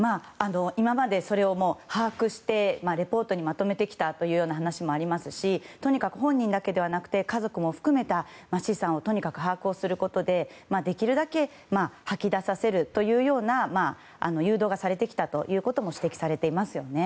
今まで、それを把握してレポートにまとめてきたという話もありますしとにかく、本人だけではなくて家族も含めた資産をとにかく把握することでできるだけ吐き出させるというような誘導がされてきたということも指摘されていますよね。